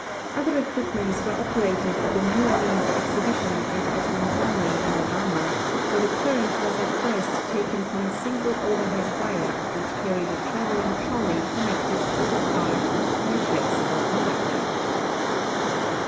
Other equipments were operated at the New Orleans Ex hibition and at Montgomery, Ala., where the current was at first taken from a single overhead wire which carried a traveling trolley connected to the car by a flexible con ductor.